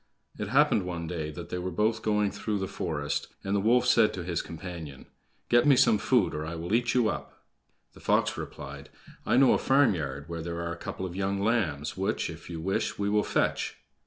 It happened one day that they were both going through the forest, and the wolf said to his companion: "Get me some food, or I will eat you up." The fox replied: "I know a farmyard where there are a couple of young lambs, which, if you wish, we will fetch."